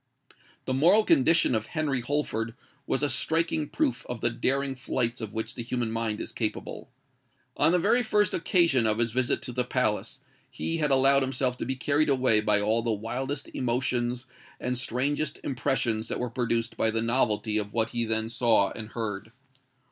The moral condition of Henry Holford was a striking proof of the daring flights of which the human mind is capable. On the very first occasion of his visit to the palace, he had allowed himself to be carried away by all the wildest emotions and the strangest impressions that were produced by the novelty of what he then saw and heard.